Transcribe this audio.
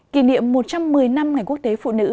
kỷ niệm một trăm một mươi năm ngày quốc tế phụ nữ